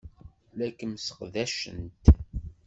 La kem-sseqdacent.